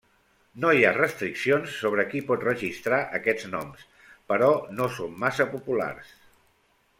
No hi ha restriccions sobre qui pot registrar aquests noms, però no són massa populars.